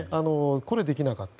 これはできなかった。